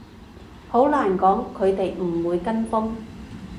好難講，佢哋唔會跟風